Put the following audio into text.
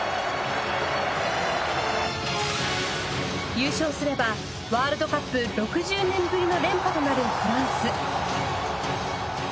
優勝すればワールドカップ６０年ぶりの連覇となるフランス。